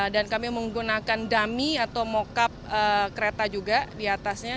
dan kami menggunakan dummy atau mockup kereta juga diatasnya